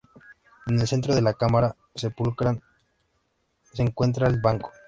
En el centro de la cámara sepulcral se encuentra el banco.